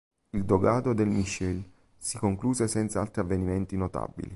Il dogado del Michiel si concluse senza altri avvenimenti notabili.